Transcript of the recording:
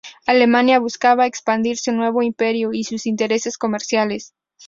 Alemania buscaba expandir su nuevo imperio y sus intereses comerciales.